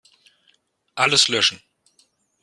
Alles löschen.